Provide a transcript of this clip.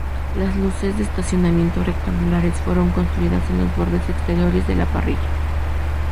Las luces de estacionamiento rectangulares fueron construidas en los bordes exteriores de la parrilla.